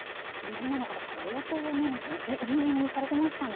今の方、相当ね、入念にされてましたね。